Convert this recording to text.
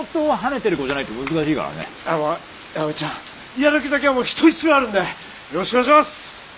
やる気だけはもう人一倍あるんでよろしくお願いします！